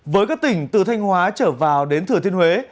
với các tỉnh từ thanh hóa trở vào đến thừa thiên huế